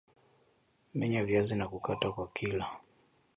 Menya viazi na kukata kwa kila